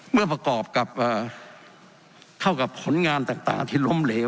เมื่อประกอบกับเข้ากับผลงานต่างที่ล้มเหลว